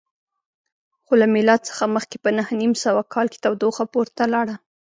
خو له میلاد څخه مخکې په نهه نیم سوه کال کې تودوخه پورته لاړه